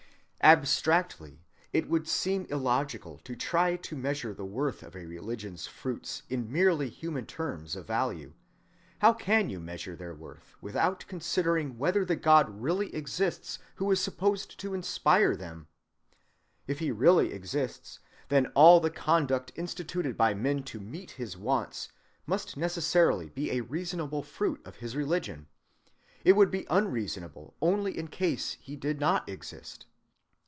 ‐‐‐‐‐‐‐‐‐‐‐‐‐‐‐‐‐‐‐‐‐‐‐‐‐‐‐‐‐‐‐‐‐‐‐‐‐ Abstractly, it would seem illogical to try to measure the worth of a religion's fruits in merely human terms of value. How can you measure their worth without considering whether the God really exists who is supposed to inspire them? If he really exists, then all the conduct instituted by men to meet his wants must necessarily be a reasonable fruit of his religion,—it would be unreasonable only in case he did not exist.